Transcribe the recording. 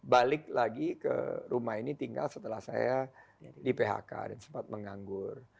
balik lagi ke rumah ini tinggal setelah saya di phk dan sempat menganggur